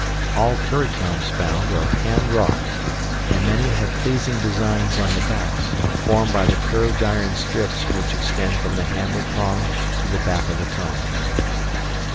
All currycombs found are handwrought, and many have pleasing designs on the backs, formed by the curved iron strips which extend from the handle prong to the back of the comb.